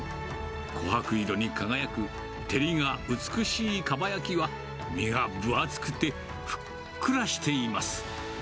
こはく色に輝く照りが美しいかば焼きは、身が分厚くてふっくらしています。